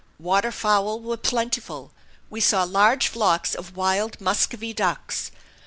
Water fowl were plentiful. We saw large flocks of wild muscovy ducks.